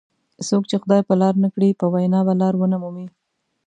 څوک چې خدای په لار نه کړي په وینا به لار ونه مومي.